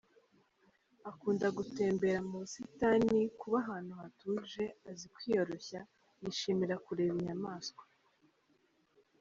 Akunda gutembera mu busitani, kuba ahantu hatuje, azi kwiyoroshya, yishimira kureba inyamaswa.